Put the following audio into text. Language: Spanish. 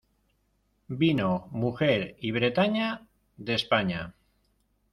vino, mujer y Bretaña , de España.